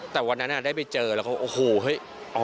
แต่วันนั้นได้ไปเจอแล้วก็โอ้โหเฮ้ย